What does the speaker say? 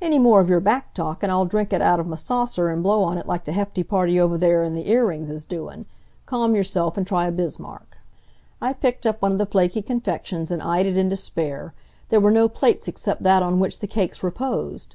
"Any more of your back talk and I'll drink it out of m' saucer an' blow on it like the hefty party over there in the earrings is doin'. Calm yerself an' try a Bismarck." I picked up one of the flaky confections and eyed it in despair. There were no plates except that on which the cakes reposed.